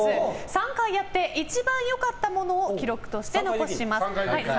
３回やって一番良かったものを記録として残します。